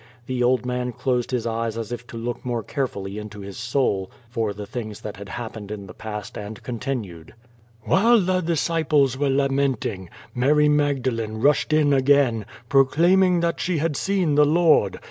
The old man closed his eyes as if to look more carefully into his soul for the things that had happened in the past and continued : "While the disciples were lamenting, Mary Magdalene rushed in again, proclaiming that she had seen the Lord.